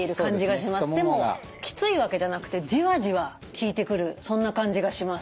でもきついわけじゃなくてじわじわ効いてくるそんな感じがします。